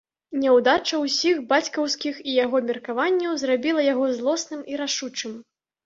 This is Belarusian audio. Няўдача ўсіх бацькаўскіх і яго меркаванняў зрабіла яго злосным і рашучым.